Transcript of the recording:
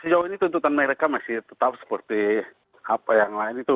sejauh ini tuntutan mereka masih tetap seperti apa yang lain itu